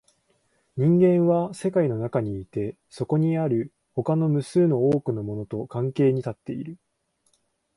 人間は世界の中にいて、そこにある他の無数の多くのものと関係に立っている。